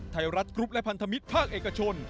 ไทยรัฐกรุ๊ปและพันธมิตรภาคเอกชน